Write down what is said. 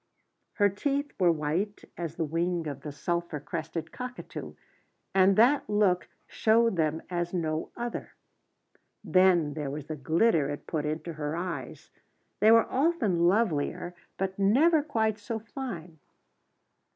Her teeth were white as the wing of the sulphur crested cockatoo, and that look showed them as no other. Then there was the glitter it put into her eyes: they were often lovelier, but never quite so fine.